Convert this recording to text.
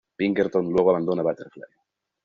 Pinkerton luego abandona a Butterfly.